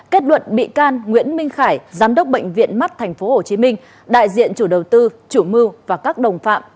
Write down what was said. kết luận bị can nguyễn minh khải giám đốc bệnh viện mắt tp hcm đại diện chủ đầu tư chủ mưu và các đồng phạm